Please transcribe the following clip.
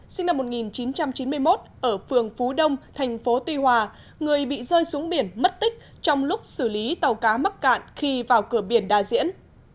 sinh năm một nghìn chín trăm chín mươi một ở phường phú đông thành phố tuy hòa người bị rơi xuống biển mất tích trong lúc xử lý tàu cá mắc cạn khi vào cửa biển đà diễn